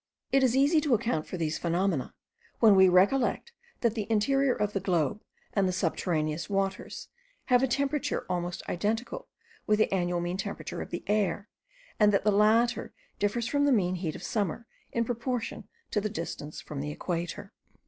It is easy to account for these phenomena, when we recollect that the interior of the globe, and the subterraneous waters, have a temperature almost identical with the annual mean temperature of the air; and that the latter differs from the mean heat of summer, in proportion to the distance from the equator.